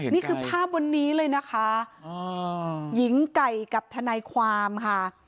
นี่คือภาพวันนี้เลยนะคะหญิงไก่กับทนายความค่ะ